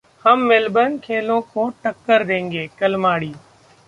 हम मेलबर्न खेलों को टक्कर देंगे: कलमाड़ी